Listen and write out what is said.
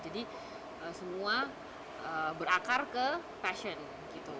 jadi semua berakar ke passion gitu